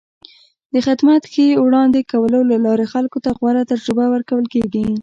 د خدمت ښې وړاندې کولو له لارې خلکو ته غوره تجربه ورکول کېږي.